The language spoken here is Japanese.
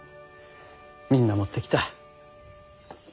みんな持ってきた。